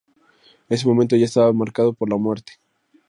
En ese momento ya estaba marcado por la muerte.